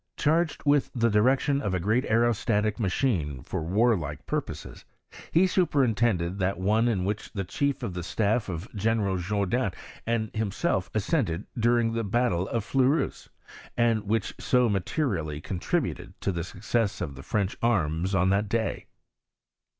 Charged with the direction of a great aerostatic machine for warlike purposes, he superintended that one in which the chief of the staff of General Jourdan and himself ascended during the battle of Fleurus, and whi. h so materially con tributed to the success of the French arms on that day